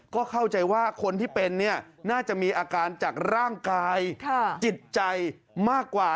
ก็เข้าใจว่าคนที่เป็นเนี่ยน่าจะมีอาการจากร่างกายจิตใจมากกว่า